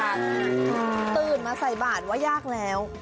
ตื่นมาใส่บาทว่ายากแล้ว